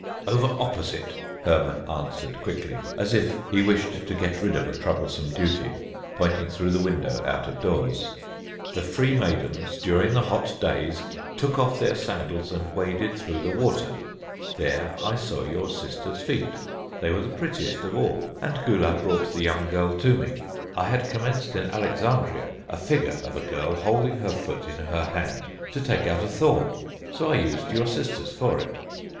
"Over opposite," Hermon answered quickly, as if he wished to get rid of a troublesome duty, pointing through the window out of doors, "the free maidens, during the hot days, took off their sandals and waded through the water. There I saw your sister's feet. They were the prettiest of all, and Gula brought the young girl to me. I had commenced in Alexandria a figure of a girl holding her foot in her hand to take out a thorn, so I used your sister's for it."